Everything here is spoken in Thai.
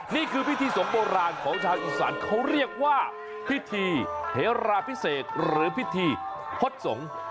นี่คือพิธีสงโบราณของชาวอีสานเขาเรียกว่าพิธีเฮราพิเศษหรือพิธีพศสงฆ์